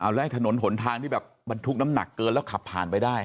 เอาแรกถนนหนทางที่แบบมันทุกข์น้ำหนักเกินแล้วขับผ่านไปได้